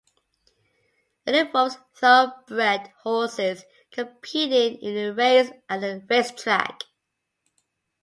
It involves thoroughbred horses competing in a race at a racetrack.